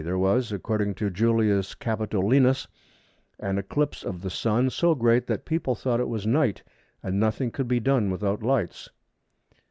there was, according to Julius Capitolinus, an eclipse of the Sun, so great "that people thought it was night, and nothing could be done without lights."